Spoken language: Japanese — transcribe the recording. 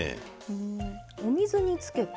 お水につけて？